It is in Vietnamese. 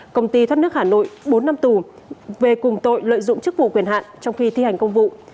công ty thoát nước hà nội bốn năm tù về cùng tội lợi dụng chức vụ quyền hạn trong khi thi hành công vụ